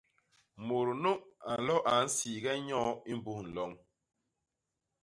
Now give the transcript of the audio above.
Mut nu a nlo a nsiige nyoy i mbus nloñ!